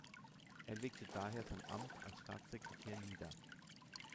Er legte daher sein Amt als Staatssekretär nieder.